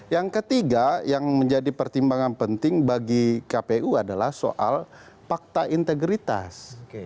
yang ketiga yang menjadi pertimbangan penting bagi kpu adalah soal fakta integritas